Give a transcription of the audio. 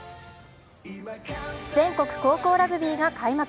全国高校ラグビーが開幕。